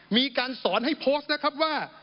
มีการสอนให้โพสต์นะครับว่า